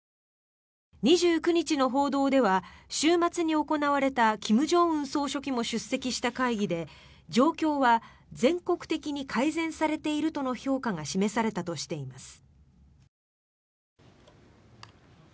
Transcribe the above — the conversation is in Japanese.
２９日の報道では週末に行われた金正恩総書記も出席した会議で状況は全国的に改善されているとの評価が示されたとしています。